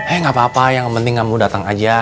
eh gak apa apa yang penting kamu datang aja